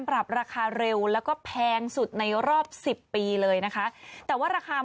ราคาเร็วแล้วก็แพงสุดในรอบสิบปีเลยนะคะแต่ว่าราคา